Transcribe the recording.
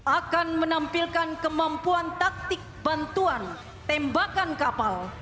akan menampilkan kemampuan taktik bantuan tembakan kapal